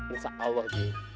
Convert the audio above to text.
insya allah deji